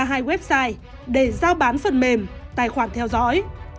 hai website để giao bán phần mềm tài khoản theo dõi